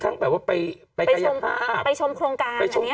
กล้องกว้างอย่างเดียว